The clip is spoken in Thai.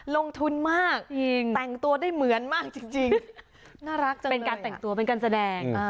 ลงทุนมากแต่งตัวได้เหมือนมากจริงน่ารักจังเป็นการแต่งตัวเป็นการแสดง